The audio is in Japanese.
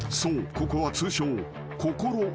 ここは通称］